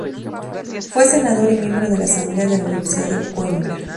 Fue Senador y Miembro de la Asamblea de la Universidad de Coimbra.